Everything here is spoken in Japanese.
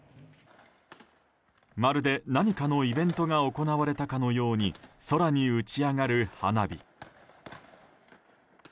まるで何かのイベントが行われたかのように空に打ち上がる花火。